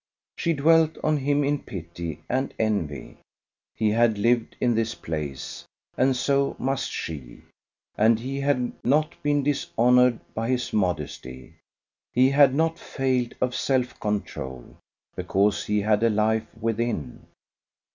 She dwelt on him in pity and envy; he had lived in this place, and so must she; and he had not been dishonoured by his modesty: he had not failed of self control, because he had a life within.